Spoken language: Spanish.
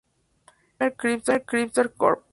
Daimler Chrysler corp.